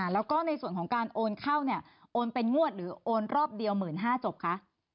แล้วก็ในส่วนของการโอนเข้าเนี่ยโอนเป็นงวดหรือโอนรอบเดียว๑๕๐๐จบคะ